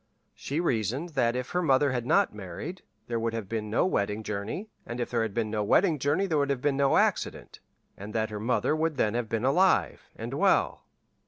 She reasoned that if her mother had not married, there would have been no wedding journey; and if there had been no wedding journey there would have been no accident, and that her mother would then have been alive, and well.